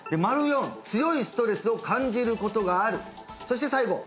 ④強いストレスを感じることがあるそして最後